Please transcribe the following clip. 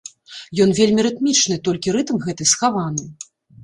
Ён вельмі рытмічны, толькі рытм гэты схаваны.